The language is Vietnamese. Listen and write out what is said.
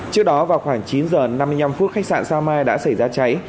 trước đó vào khoảng chín h năm mươi năm phút khách sạn sao mai đã xảy ra cháy